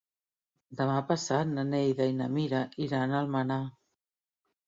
Demà passat na Neida i na Mira iran a Almenar.